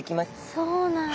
そうなんだ。